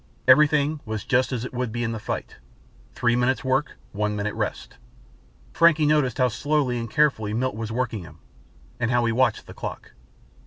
Everything was just as it would be in the fight. Three minutes work, one minute rest. Frankie noticed how slowly and carefully Milt was working him, and how he watched the clock.